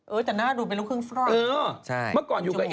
เออแต่หน้าดูเป็นลูกเครื่องฟร่อย